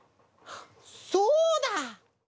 そうだ！